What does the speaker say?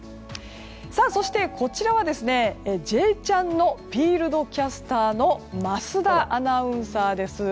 そして、こちらは「Ｊチャン」のフィールドキャスターの桝田アナウンサーです。